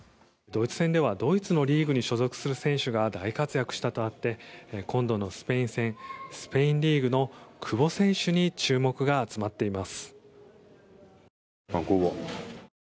ドイツ戦ではドイツのリーグに所属する選手が大活躍したとあって今度のスペイン戦スペインリーグの久保選手に注目が集まっています。